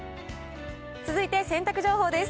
続いて洗濯情報です。